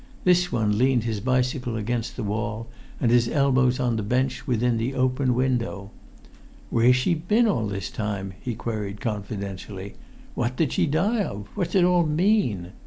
This one leant his bicycle against the wall, and his elbows on the bench within the open window. "Where's she been all this time?" he queried, confidentially. "What did she die of? What's it all mean?"